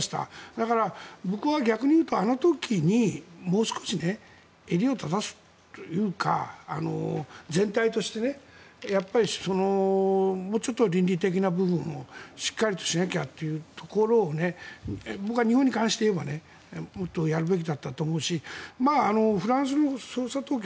だから、僕は逆に言うとあの時にもう少し襟を正すというか、全体としてもうちょっと倫理的な部分をしっかりしなきゃというところを僕は日本に関して言えばもっとやるべきだったと思うしフランスの捜査当局。